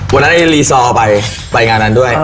วันนั้นไอ้ลีซอไปไปงานอันด้วย